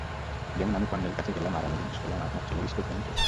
যেমন আমি কর্নেল কাছে গেলাম আর আমি জিজ্ঞাসা করলাম আপনার ছেলের স্কুল কেমন চলছে?